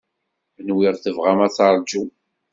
Nwiɣ tebɣam ad terjum.